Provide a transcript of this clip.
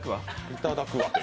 いただくわ。